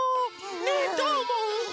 ねえどうおもう？